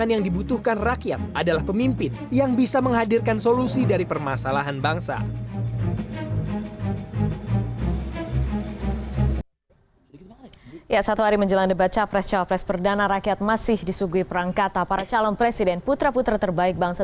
yang dibutuhkan rakyat adalah pemimpin yang bisa menghadirkan solusi dari permasalahan bangsa